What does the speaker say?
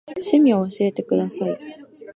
趣味を教えてください。